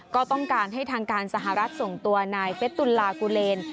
ก็ต้องการให้ทางการสหรัฐส่งตัวนายเฟสตุลลากูเลน